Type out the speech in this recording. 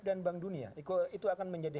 dan bank dunia itu akan menjadi